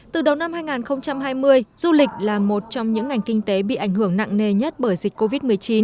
từ đầu năm hai nghìn hai mươi du lịch là một trong những ngành kinh tế bị ảnh hưởng nặng nề nhất bởi dịch covid một mươi chín